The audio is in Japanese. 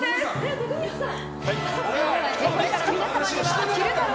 徳光さん。